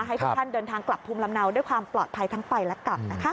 ให้ทุกท่านเดินทางกลับภูมิลำเนาด้วยความปลอดภัยทั้งไปและกลับนะคะ